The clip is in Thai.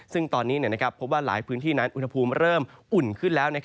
ซึ่งตอนนี้พบว่าหลายพื้นที่นั้นอุณหภูมิเริ่มอุ่นขึ้นแล้ว